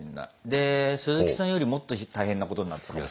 ですずきさんよりもっと大変なことになってたかも。